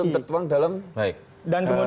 ada beberapa yang belum tertuang dalam ini